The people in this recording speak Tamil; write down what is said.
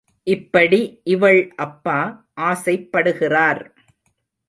இப்படி இவள் அப்பா ஆசைப்படுகிறார்.